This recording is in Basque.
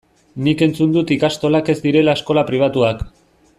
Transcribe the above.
Nik entzun dut ikastolak ez direla eskola pribatuak.